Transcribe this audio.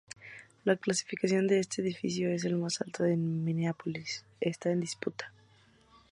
La clasificación de este edificio como el más alto de Minneapolis está en disputa.